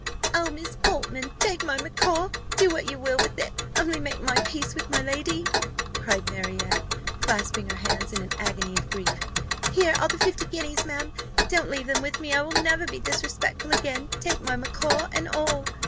"Oh, Miss Portman, take my macaw do what you will with it only make my peace with my lady," cried Marriott, clasping her hands, in an agony of grief: "here are the fifty guineas, ma'am, don't leave them with me I will never be disrespectful again take my macaw and all!